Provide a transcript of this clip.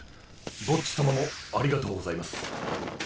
ボッジさまもありがとうございます。